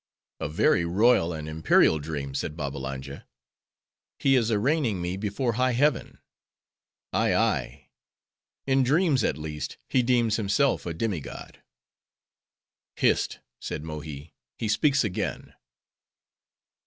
"A very royal and imperial dream," said Babbalanja—"he is arraigning me before high heaven;—ay, ay; in dreams, at least, he deems himself a demi god." "Hist," said Mohi—"he speaks again."